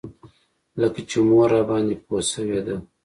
لکه چې مور راباندې پوه شوې ده.